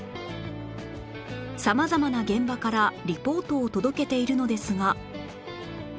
様々な現場からリポートを届けているのですが